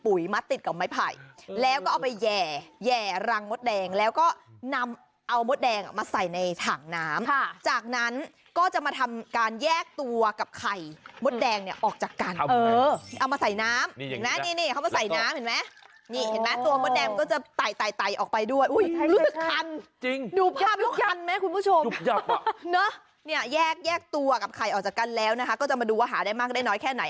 อุ๊ยรู้สึกคันดูภาพต้องคันไหมคุณผู้ชมเนอะแยกตัวกับไข่ออกจากกันแล้วนะคะก็จะมาดูว่าหาได้มากได้น้อยแค่ไหน